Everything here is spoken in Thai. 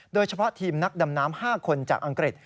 โดยเฉพาะทีมนักดำน้ำ๕คนจากอังกฤษ